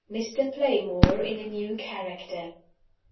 MR. PLAYMORE IN A NEW CHARACTER.